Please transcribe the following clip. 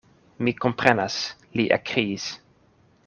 Mi komprenas, li ekkriis.